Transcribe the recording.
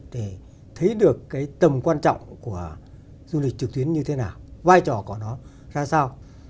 để thấy được cái tầm quan trọng của du lịch trực tuyến như thế nào vai trò của nó ra sao